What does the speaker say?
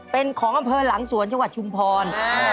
เป็นของอำเภอหลังสวนจังหวัดชุมพร